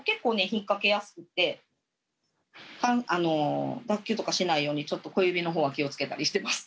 引っ掛けやすくてあの脱臼とかしないようにちょっと小指の方は気をつけたりしてます。